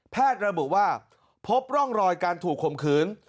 แพทย์เราบอกว่าพบร่องรอยการถูกคมขืน